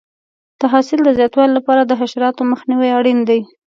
د حاصل د زیاتوالي لپاره د حشراتو مخنیوی اړین دی.